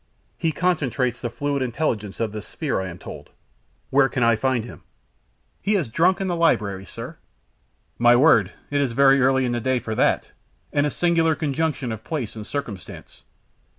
He concentrates the fluid intelligence of this sphere, I am told. Where can I find him?" "He is drunk, in the library, sir!" "My word! It is early in the day for that, and a singular conjunction of place and circumstance."